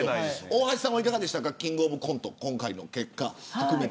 大橋さんはいかがでしたかキングオブコント、今回の結果。